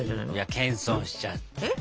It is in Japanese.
いや謙遜しちゃって。